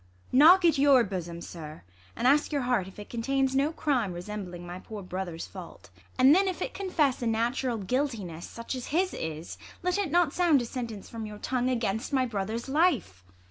Knock at your bosom, sir, and ask your heart If it contains no crime resembling my Poor brother's fa \\t, and then, if it confess A natural guiltiness, such as his is, Let it not sound a sentence from your tongue Against my brother's life